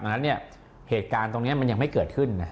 ดังนั้นเนี่ยเหตุการณ์ตรงนี้มันยังไม่เกิดขึ้นนะ